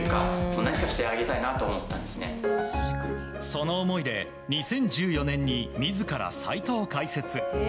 その思いで２０１４年に自らサイトを開設。